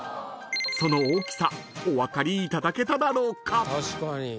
［その大きさお分かりいただけただろうか？］